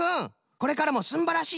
これからもすんばらしい